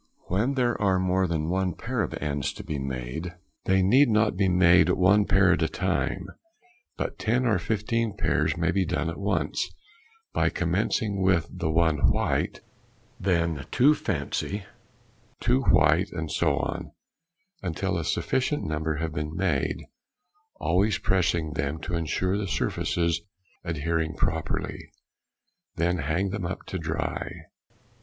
When there are more than one pair of ends to make, they need not be made one pair at a time, but ten or fifteen pairs may be done at once, by commencing with the one white, then two fancy, two white, and so on, until a sufficient number have been made, always pressing them to ensure the surfaces adhering properly; then hang them up to dry.